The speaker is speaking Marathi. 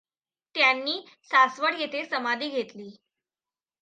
त्यांनी सासवड येथे समाधी घेतली.